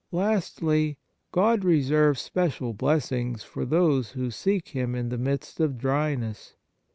Lastly, God reserves special blessings for those who seek Him in the midst of dryness.